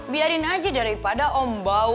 biarin aja daripada om bau